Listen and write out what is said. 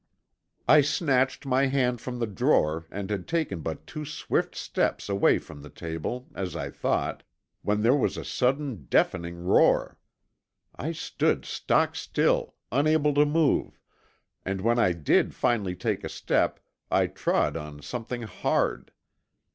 "I snatched my hand from the drawer and had taken but two swift steps away from the table, as I thought, when there was a sudden deafening roar. I stood stock still, unable to move, and when I did finally take a step I trod on something hard.